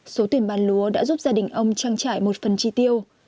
số tiền bán lúa đã giúp gia đình ông trang trải một phần chi tiêu